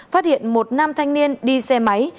phát hiện một nam thanh niên đi xe máy